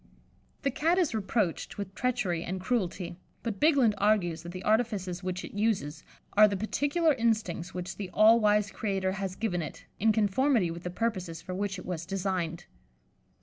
The Cat is reproached with treachery and cruelty, but Bigland argues that the artifices which it uses are the particular instincts which the all wise Creator has given it, in conformity with the purposes for which it was designed.